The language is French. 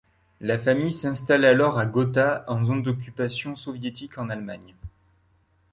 La famille s'installe alors à Gotha, en zone d'occupation soviétique en Allemagne.